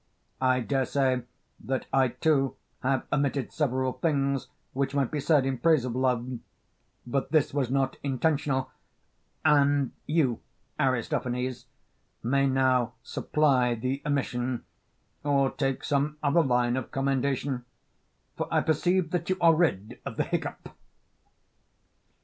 I dare say that I too have omitted several things which might be said in praise of Love, but this was not intentional, and you, Aristophanes, may now supply the omission or take some other line of commendation; for I perceive that you are rid of the hiccough.